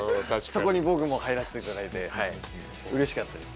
そこに僕も入らせていただいてうれしかったです。